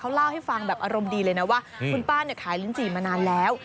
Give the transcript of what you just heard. เล่าให้ฟังแบบอารมณ์ดีเลยนะว่าคุณป้าเนี่ยขายลิ้นจี่มานานแล้ว